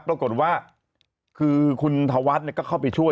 ปรากฏว่าคือคุณธวัฒน์ก็เข้าไปช่วย